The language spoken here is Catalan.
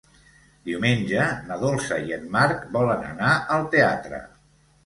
Diumenge na Dolça i en Marc volen anar al teatre.